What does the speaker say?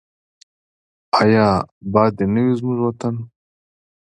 آیا اباد دې نه وي زموږ وطن؟